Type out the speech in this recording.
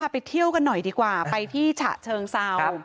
ไปเที่ยวกันหน่อยดีกว่าไปที่ฉะเชิงเซา